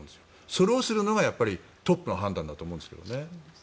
それをするのがトップの判断だと思うんですけどね。